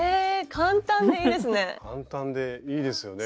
簡単でいいですよね。